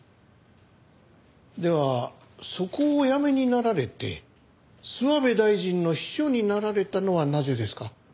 ではそこをお辞めになられて諏訪部大臣の秘書になられたのはなぜですか？